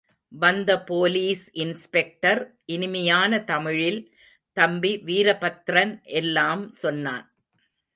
வந்த police inspector இனிமையான தமிழில், தம்பி வீரபத்ரன் எல்லாம் சொன்னான்.